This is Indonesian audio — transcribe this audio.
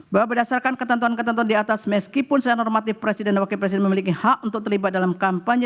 bahwa berdasarkan ketentuan ketentuan di atas meskipun secara normatif presiden dan wakil presiden memiliki hak untuk terlibat dalam kampanye